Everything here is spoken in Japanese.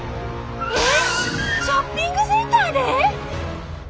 えっショッピングセンターで！？